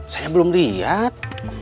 saya belum lihat